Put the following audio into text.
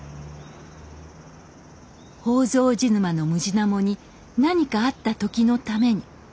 宝蔵寺沼のムジナモに何かあった時のために。